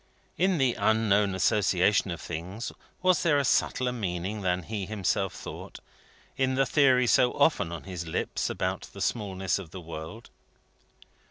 In the unknown associations of things, was there a subtler meaning than he himself thought, in that theory so often on his lips about the smallness of the world?